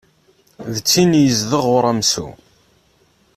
D tin yezdeɣ uramsu.